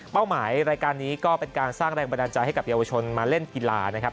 หมายรายการนี้ก็เป็นการสร้างแรงบันดาลใจให้กับเยาวชนมาเล่นกีฬานะครับ